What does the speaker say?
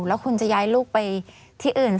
แล้วคุณจะย้ายลูกไปที่อื่น